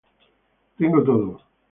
Tengo todo.